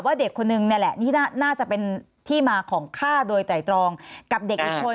เด็กคนนึงนี่แหละนี่น่าจะเป็นที่มาของฆ่าโดยไตรตรองกับเด็กอีกคน